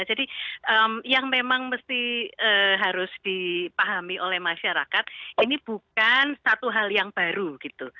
jadi yang memang mesti harus dipahami oleh masyarakat ini bukan satu hal yang baru gitu